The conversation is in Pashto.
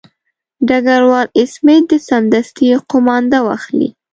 ډګروال سمیت دې سمدستي قومانده واخلي.